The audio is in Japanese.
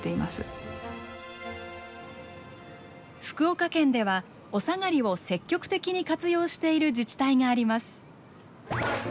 福岡県ではおさがりを積極的に活用している自治体があります。